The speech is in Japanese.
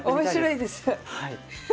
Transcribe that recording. はい。